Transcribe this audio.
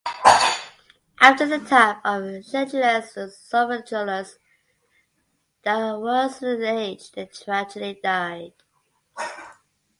After the time of Aeschylus and Sophocles, there was an age where tragedy died.